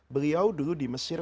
beliau dulu di mesir